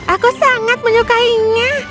aku sangat menyukainya